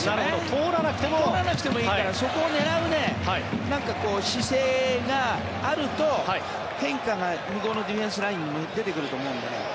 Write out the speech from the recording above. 通らなくてもいいからそこを狙う姿勢があると変化が向こうのディフェンスラインに出てくると思うので。